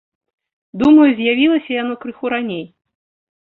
Думаю, з'явілася яно крыху раней.